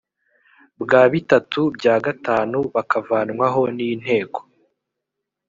bwa bitatu bya gatanu bakavanwaho n inteko